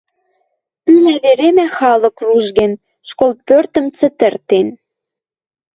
Пӱлӓ веремӓ халык ружген, школ пӧртӹм цӹтӹртен.